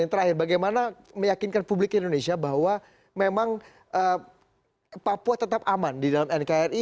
yang terakhir bagaimana meyakinkan publik indonesia bahwa memang papua tetap aman di dalam nkri